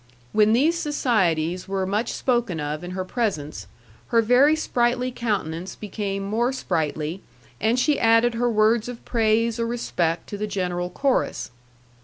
When these societies were much spoken of in her presence, her very sprightly countenance became more sprightly, and she added her words of praise or respect to the general chorus.